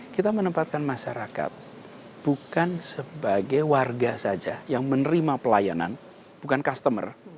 kita menempatkan masyarakat bukan sebagai warga saja yang menerima pelayanan bukan customer